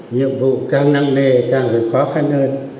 nhiệm vụ càng năng nề càng khó khăn hơn